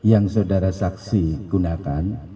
yang saudara saksi gunakan